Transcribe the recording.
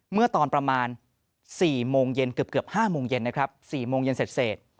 เมื่อตอนประมาณ๔โมงเย็นเกือบ๕โมงเย็นนะครับ๔โมงเย็นเสร็จ